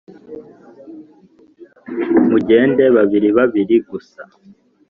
mugende babiri babiri gusa